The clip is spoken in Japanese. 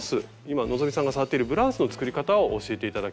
今希さんが触っているブラウスの作り方を教えて頂きたいと思ってます。